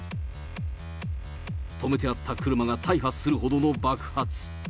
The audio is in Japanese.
止めてあった車が大破するほどの爆発。